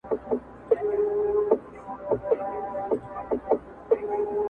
چا خندله چا به ټوکي جوړولې!!